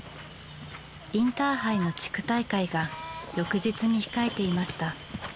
インターハイの地区大会が翌日に控えていました。